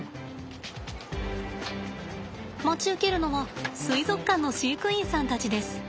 待ち受けるのは水族館の飼育員さんたちです。